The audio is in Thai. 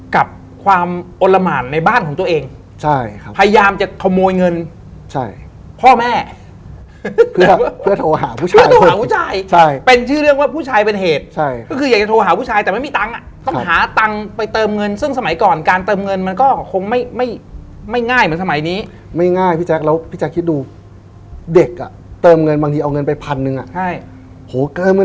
กับความอดละหมานในบ้านของตัวเองใช่ครับพยายามจะขโมยเงินใช่พ่อแม่เพื่อเพื่อโทรหาผู้ชายเพื่อโทรหาผู้ชายใช่เป็นชื่อเรื่องว่าผู้ชายเป็นเหตุใช่ก็คืออยากจะโทรหาผู้ชายแต่ไม่มีตังค์อ่ะต้องหาตังค์ไปเติมเงินซึ่งสมัยก่อนการเติมเงินมันก็คงไม่ไม่ง่ายเหมือนสมัยนี้ไม่ง่ายพี่แจ๊